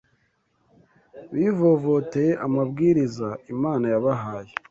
Bivovoteye amabwiriza Imana yabahaye